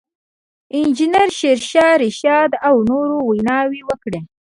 انجنیر شېرشاه رشاد او نورو ویناوې وکړې.